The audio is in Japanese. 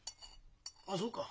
あっそうか。